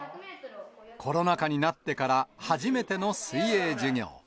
コロナ禍になってから初めての水泳授業。